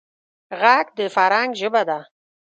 غږ د فرهنګ ژبه ده